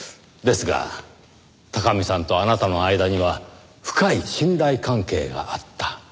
ですが貴巳さんとあなたの間には深い信頼関係があった。